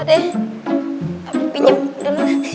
dek pinjam dulu